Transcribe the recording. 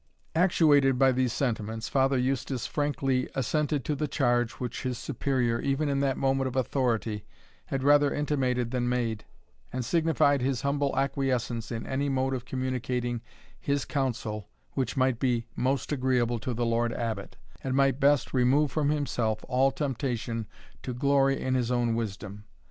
Actuated by these sentiments, Father Eustace frankly assented to the charge which his Superior, even in that moment of authority, had rather intimated than made, and signified his humble acquiescence in any mode of communicating his counsel which might be most agreeable to the Lord Abbot, and might best remove from himself all temptation to glory in his own wisdom.